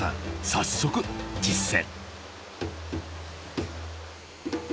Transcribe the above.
早速実践。